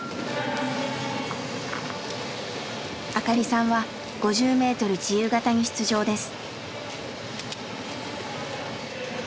明香里さんは５０ｍ自由形に出場です。